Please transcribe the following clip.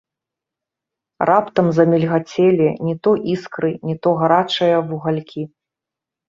Раптам замільгацелі ні то іскры, ні то гарачыя вугалькі.